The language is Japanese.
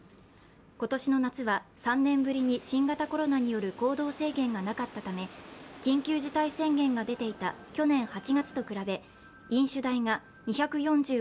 今年の夏は３年ぶりに新型コロナによる行動制限がなかったため緊急事態宣言が出ていた去年８月と比べ飲酒代が２４５．５％。